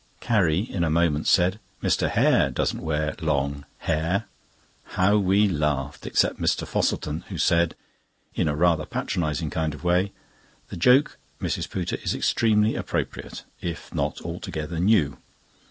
Carrie in a moment said, "Mr. Hare doesn't wear long hair." How we laughed except Mr. Fosselton, who said, in a rather patronising kind of way, "The joke, Mrs. Pooter, is extremely appropriate, if not altogether new."